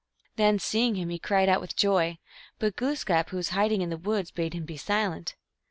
Then, seeing him, he cried out with joy ; but Glooskap, who was hiding in the woods, bade him be silent.